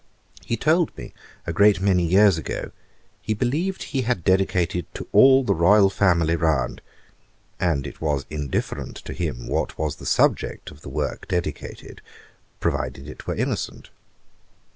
He told me, a great many years ago, 'he believed he had dedicated to all the Royal Family round;' and it was indifferent to him what was the subject of the work dedicated, provided it were innocent.